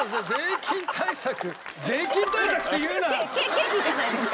経費じゃないですか。